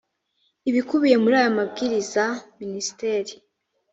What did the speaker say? ibikubiye muri aya mabwiriza minisiteri